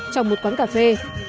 trong một quán cà phê